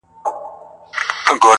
o دا پر سپین کتاب لیکلی سپین عنوان ته,